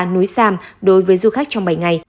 núi sam đối với du khách trong bảy ngày